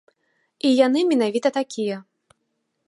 І яны менавіта такія.